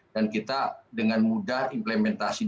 dan kita dengan mudah implementasikan